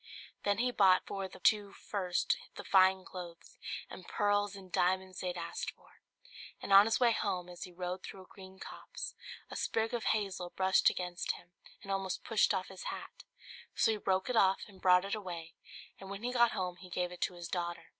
Then he bought for the two first the fine clothes and pearls and diamonds they had asked for: and on his way home as he rode through a green copse, a sprig of hazel brushed against him, and almost pushed off his hat; so he broke it off and brought it away; and when he got home he gave it to his daughter.